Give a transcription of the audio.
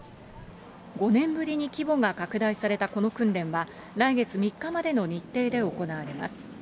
５年ぶりに規模が拡大されたこの訓練は、来月３日までの日程で行われます。